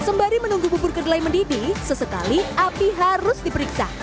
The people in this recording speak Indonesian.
sembari menunggu bubur kedelai mendidih sesekali api harus diperiksa